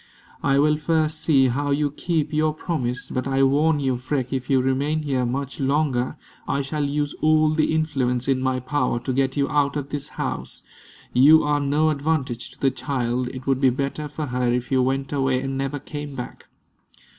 "I will first see how you keep your promise. But I warn you, Freke, if you remain here much longer, I shall use all the influence in my power to get you out of this house. You are no advantage to the child. It would be better for her if you went away and never came back."